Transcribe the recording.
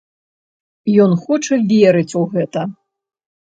Ён хоча верыць у гэта.